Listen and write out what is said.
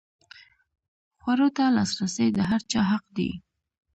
خوړو ته لاسرسی د هر چا حق دی.